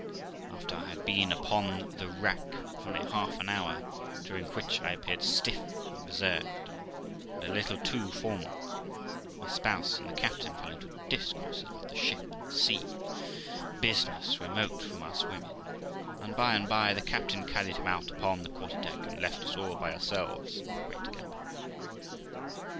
After I had been upon the rack for near half an hour, during which I appeared stiff and reserved, and a little too formal, my spouse and the captain fell into discourses about the ship and the sea, and business remote THE LIFE OF ROXANA 359 from us women j and, by and by, the captain carried him out upon the quarter deck, and left us all by ourselves in the great cabin.